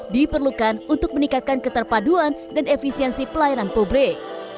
diperlukan untuk meningkatkan keterpaduan dan efisiensi pelayanan publik